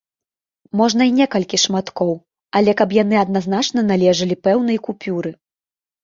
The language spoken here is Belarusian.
Можна і некалькі шматкоў, але каб яны адназначна належалі пэўнай купюры.